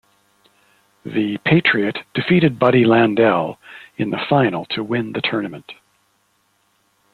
The Patriot defeated Buddy Landel in the final to win the tournament.